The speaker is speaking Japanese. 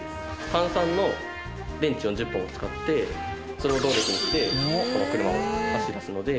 単３の電池を１０本使ってそれを動力にしてこの車を走らすので。